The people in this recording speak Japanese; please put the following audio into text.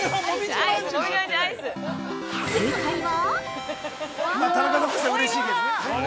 ◆正解は！？